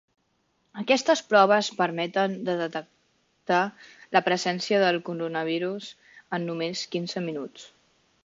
Aquestes proves permeten de detectar la presència del coronavirus en només quinze minuts.